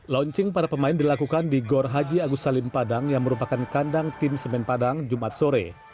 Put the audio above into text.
launching para pemain dilakukan di gor haji agus salim padang yang merupakan kandang tim semen padang jumat sore